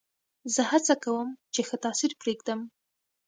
زه هڅه کوم، چي ښه تاثیر پرېږدم.